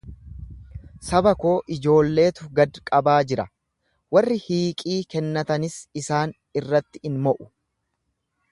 Saba koo ijoolleetu gad qabaa jira, warri hiiqii kennatanis isaan irratti in mo'u.